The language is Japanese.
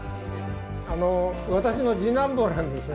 あの私の次男坊なんですが。